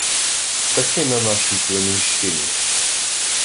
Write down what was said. — Таки на нашій племінщині.